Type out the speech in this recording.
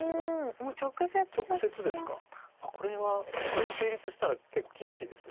これが成立したら結構厳しいです。